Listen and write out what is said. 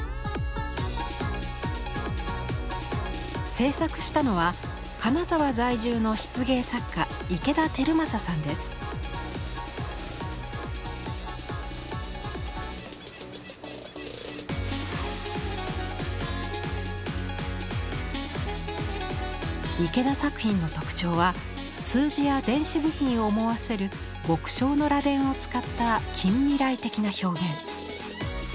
制作したのは金沢在住の池田作品の特徴は数字や電子部品を思わせる極小の螺鈿を使った近未来的な表現。